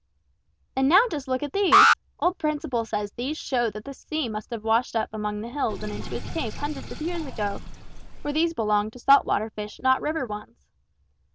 "And now just look at these! Old Principle says these show that the sea must have washed up amongst the hills and into his cave hundreds of years ago, for these belong to salt water fish not river ones.